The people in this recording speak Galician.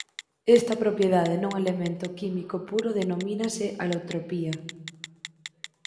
Esta propiedade nun elemento químico puro denomínase alotropía.